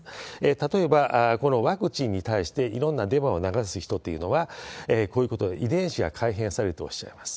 例えば、このワクチンに対していろんなデマを流す人っていうのは、こういうことを遺伝子が改変されるとおっしゃいます。